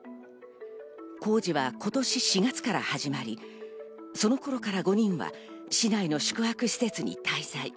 工事は今年４月から始まり、その頃から５人は市内の宿泊施設に滞在。